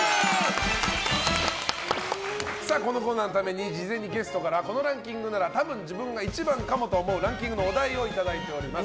このコーナーのために事前にゲストからこのランキングなら多分、自分が１番かもと思うランキングのお題をいただいております。